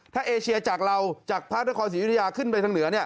ถ้าเอเชียจากเราจากพระนครศรียุธยาขึ้นไปทางเหนือ